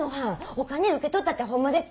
お金受け取ったってホンマでっか！？